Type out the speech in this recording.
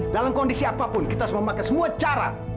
dalam kondisi apapun kita harus memakai semua cara